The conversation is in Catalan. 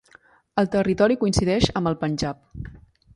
El territori coincideix amb el Panjab.